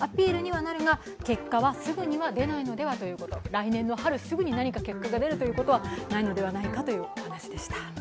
来年の春、すぐに結果が出ることはないのではないかという話でした。